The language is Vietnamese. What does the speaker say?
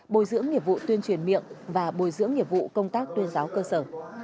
bồi dưỡng nghiệp vụ tuyên truyền miệng và bồi dưỡng nghiệp vụ công tác tuyên giáo cơ sở